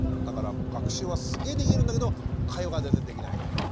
だから学習はすげえできるんだけど会話が全然できない。